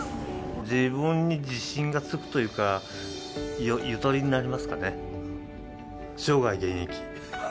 自分に自信がつくというか、ゆとりになりますかね。